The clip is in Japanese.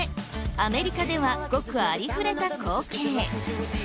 アメリカではごくありふれた光景。